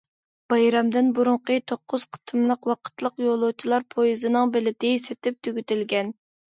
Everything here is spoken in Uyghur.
بايرامدىن بۇرۇنقى توققۇز قېتىملىق ۋاقىتلىق يولۇچىلار پويىزىنىڭ بېلىتى سېتىپ تۈگىتىلگەن.